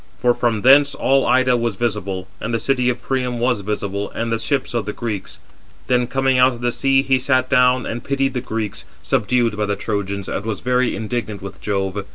For from thence all Ida was visible, and the city of Priam was visible, and the ships of the Greeks. Then coming out of the sea, he sat down, and he pitied the Greeks, subdued by the Trojans, and was very indignant with Jove.